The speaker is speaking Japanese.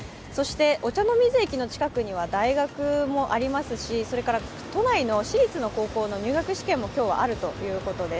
御茶ノ水駅前の近くには大学もありますしそれから都内の私立の高校の入学試験も今日はあるということです。